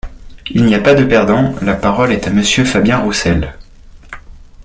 Il n’y a pas de perdant ! La parole est à Monsieur Fabien Roussel.